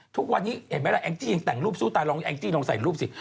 ทุกวันนี้แอ็งจีย์ยังแต่งรูปสู้ตายลองแอ็งจีย์ลองใส่รูปสิ